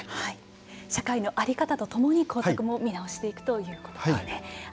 社会の在り方と共に校則も見直していくということですね。